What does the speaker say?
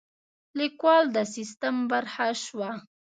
لیکوال د سیستم برخه شوه.